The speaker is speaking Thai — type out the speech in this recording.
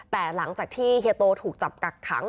แต่หลังจากที่เฮียโตถูกจับกักขัง